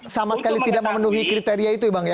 sama sekali tidak memenuhi kriteria itu ya bang ya